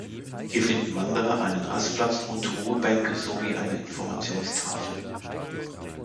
Hier finden Wanderer einen Rastplatz und Ruhebänke sowie eine Informationstafel.